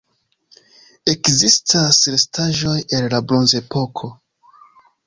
Ekzistas restaĵoj el la bronzepoko.